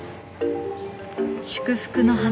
祝福の花。